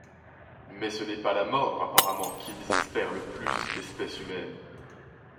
Mais ce n'est pas la mort apparemment qui désespère le plus l'espèce humaine.